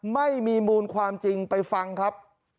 ไม่มีมูลความจริงไปฟังครับ